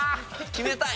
決めたい。